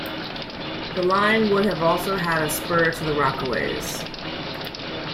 The line would have also had a spur to the Rockaways.